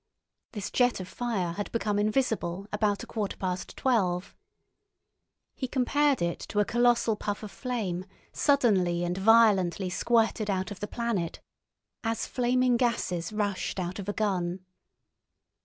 This jet of fire had become invisible about a quarter past twelve. He compared it to a colossal puff of flame suddenly and violently squirted out of the planet, "as flaming gases rushed out of a gun."